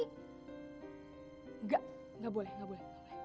enggak gak boleh gak boleh